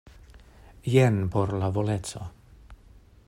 Jen por la voleco.